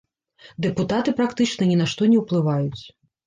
Дэпутаты практычна ні на што не ўплываюць.